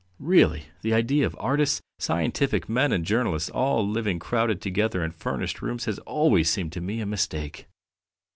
Really, the idea of artists, scientific men, and journalists all living crowded together in furnished rooms has always seemed to me a mistake."